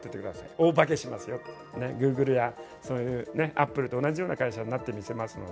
大化けしますよ、Ｇｏｏｇｌｅやアップルと同じような会社になってみせますので。